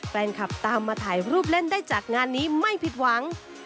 แฟนคลับตามมาถ่ายรูปเล่นได้จากงานนี้ไม่ผิดหวัง